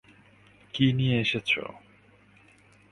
কি নিয়ে এসেছো?